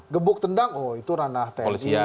gebuk tendang oh itu ranah tni